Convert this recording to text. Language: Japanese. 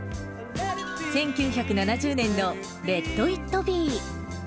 １９７０年のレット・イット・ビー。